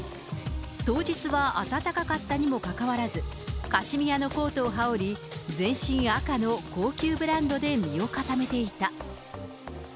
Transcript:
当日は暖かかったにもかかわらず、カシミアのコートを羽織り、全身赤の高級ブランドで身を固めていた。